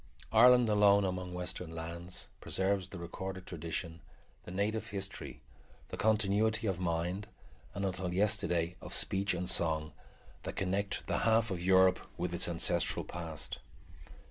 Ireland alone among western lands preserves the recorded tradition, the native history, the continuity of mind, and, until yesterday, of speech and song, that connect the half of Europe with its ancestral past.